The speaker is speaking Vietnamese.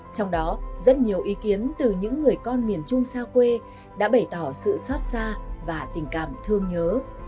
trong đó rất nhiều ý kiến từ những người con miền trung xa quê đã bày tỏ sự xót xa và tình cảm thương nhớ